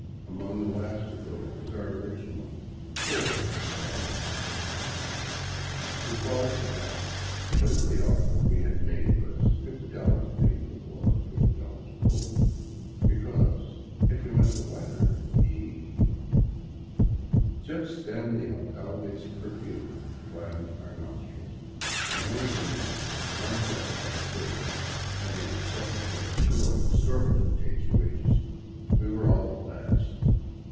Among the last to go was our original " poor but honest " applicant, who paused to ask whether the offer we had made was $50 paper or $50 gold, because if we meant the latter he ..." Just then the alcalde's perfume gladdened our nostrils, and one of the men, rounded up by a soldier, having accepted what was still an exorbitant day's wage, we were off at last.